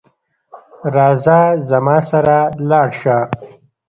راځه زما سره لاړ شه